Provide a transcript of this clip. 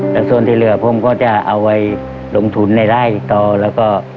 แล้วส่วนที่เหลือผมก็จะเอาไว้ลงทุนในไร่ต่อแล้วก็